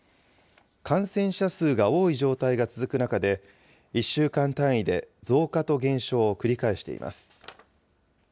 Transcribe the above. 感染者数が多い状態が続く中で、１週間単位で増加と減少を繰り返しています。